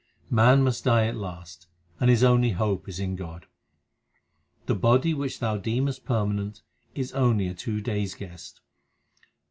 Man must die at last, and his only hope is in God: The body which thou deemest permanent is only a two days guest.